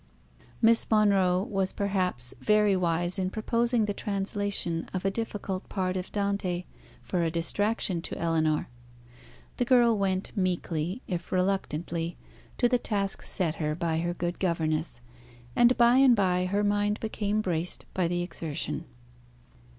Miss Monro was, perhaps, very wise in proposing the translation of a difficult part of Dante for a distraction to Ellinor. The girl went meekly, if reluctantly, to the task set her by her good governess, and by and by her mind became braced by the exertion.